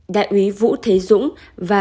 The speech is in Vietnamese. đại úy vũ thế dũng và